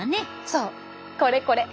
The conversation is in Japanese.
そうこれこれ！